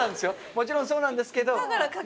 もちろんそうなんですけど。